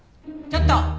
ちょっと！